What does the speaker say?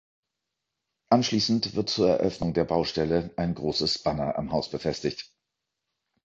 Anschließend wird zur Eröffnung der Baustelle ein großes Banner am Haus befestigt.